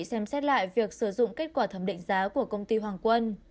đề nghị xem xét lại việc sử dụng kết quả thẩm định giá của công ty hoàng quân